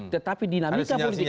tetapi dinamika politik